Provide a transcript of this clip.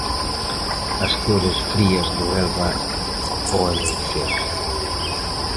As cores frías do Elba ao amencer.